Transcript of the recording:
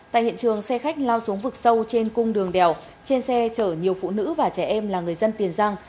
tại hiện trường xe khách lao xuống vực sâu trên cung đường đèo trên xe chở nhiều phụ nữ và trẻ em là người dân tiền giang